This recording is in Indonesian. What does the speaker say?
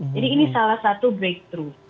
jadi ini salah satu breakthrough